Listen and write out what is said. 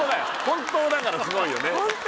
本当だからすごいよね